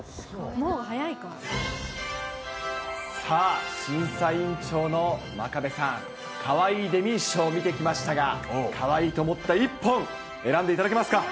さあ、審査委員長の真壁さん、かわいいデミー賞、見てきましたが、かわいいと思った一本、選んでいただけますか。